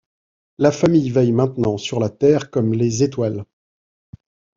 La famille veille maintenant sur la Terre comme les étoiles.